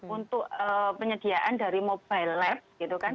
untuk penyediaan dari mobile lab gitu kan